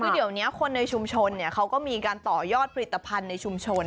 คือเดี๋ยวนี้คนในชุมชนเขาก็มีการต่อยอดผลิตภัณฑ์ในชุมชน